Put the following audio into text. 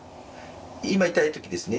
今痛いときですね？